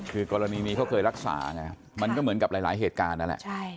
คือกรณีนี้เขาเคยรักษาไงมันก็เหมือนกับหลายเหตุการณ์นั่นแหละ